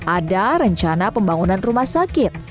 ada rencana pembangunan rumah sakit